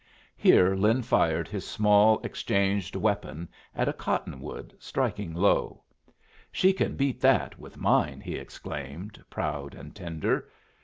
Here Lin fired his small exchanged weapon at a cotton wood, striking low. "She can beat that with mine!" he exclaimed, proud and tender.